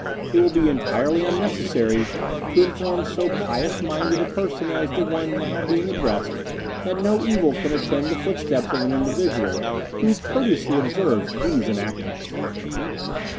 It will be entirely unnecessary to inform so pious minded a person as the one now being addressed that no evil can attend the footsteps of an individual who courteously observes these enactments.